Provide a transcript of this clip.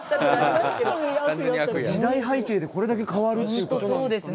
時代背景でこれだけ変わるということなんですかね。